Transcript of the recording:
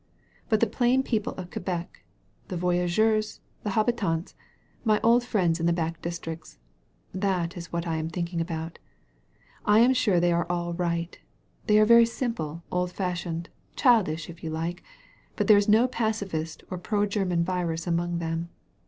But the plain people of Quebec — ^the wyageurs, the habitarUSy my old friends in the back districts — that is what I am thinking about. I am sure th^ are all right. They are very simple, old fashioned, childish, if you like; but there is no pacifist or pro German virus among them.